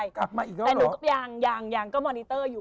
แต่หนูก็ยังยังยังก็มอนิเตอร์อยู่